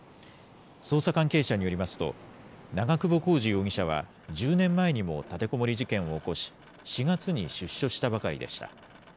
捜査関係者によりますと、長久保浩二容疑者は、１０年前にも立てこもり事件を起こし、４月に出所したばかりでした。